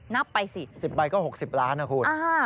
นับไปสิ๑๐ใบก็๖๐ล้านนะคุณ